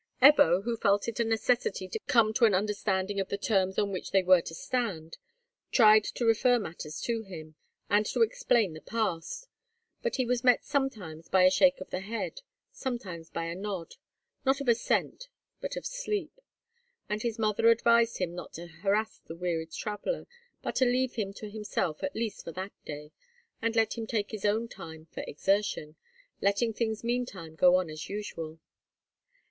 Ebbo, who felt it a necessity to come to an understanding of the terms on which they were to stand, tried to refer matters to him, and to explain the past, but he was met sometimes by a shake of the head, sometimes by a nod—not of assent, but of sleep; and his mother advised him not to harass the wearied traveller, but to leave him to himself at least for that day, and let him take his own time for exertion, letting things meantime go on as usual.